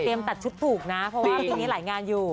เตรียมตัดชุดปลูกนะเพราะว่าตรงนี้หลายงานอยู่